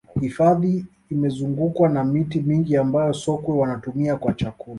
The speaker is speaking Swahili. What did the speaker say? hifadhi imezungukwa na miti mingi ambayo sokwe wanaitumia kwa chakula